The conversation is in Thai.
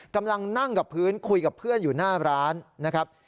กำลังนั่งกับพื้นคุยกับเพื่อนอยู่หน้าร้านนะครับ